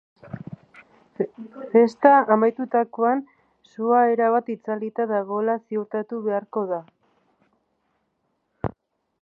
Festa amaitutakoan, sua erabat itzalita dagoela ziurtatu beharko da.